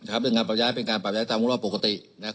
ครับเป็นงานปรับย้ายเป็นการปรับย้ายทำงุ่งรอบปกตินะครับ